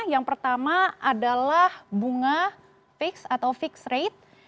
yang pertama adalah bunga fix atau fixed rate